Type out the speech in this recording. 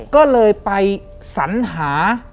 ก็เลยไปสัญหา